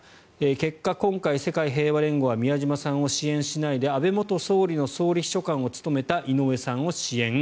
結果、今回、世界平和連合は宮島さんを応援しないで安倍元総理の総理秘書官を務めた井上さんを支援。